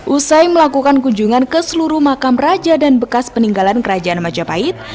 usai melakukan kunjungan ke seluruh makam raja dan bekas peninggalan kerajaan majapahit